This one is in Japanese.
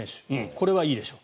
これはいいでしょう。